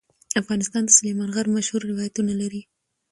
افغانستان د سلیمان غر مشهور روایتونه لري.